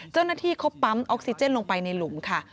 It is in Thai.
เจ้าหน้าที่เขาปั๊มออกซิเจนลงไปในหลุมค่ะ